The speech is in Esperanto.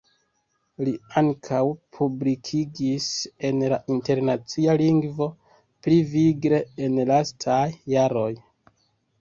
Li ankaŭ publikigis en la internacia lingvo, pli vigle en lastaj jaroj.